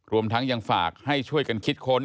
รวมทั้งยังฝากให้ช่วยกันคิดค้น